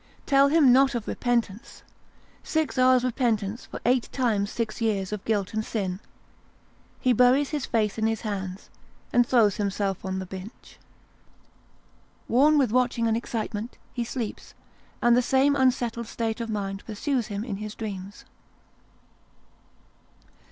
Tell him not of repentance ! Six hours' repentance for eight times six years of guilt and sin ! He buries his face in his hands, and throws himself on the bench. Worn with watching and excitement, he sleeps, and the same un settled state of mind pursues him in his dreams.